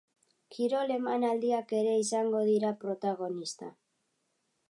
Kirol emanaldiak ere izango dira protagonista.